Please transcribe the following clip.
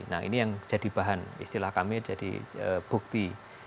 nah ini yang jadi bahan istilah kami jadi bukti